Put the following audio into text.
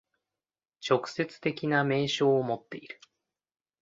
直接的な明証をもっている。